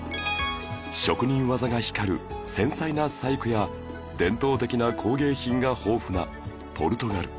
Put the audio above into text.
職人技が光る繊細な細工や伝統的な工芸品が豊富なポルトガル